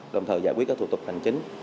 đồng thời giải quyết các thủ tục hành chính